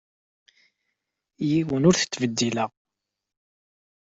Yiwen ur t-ttbeddileɣ.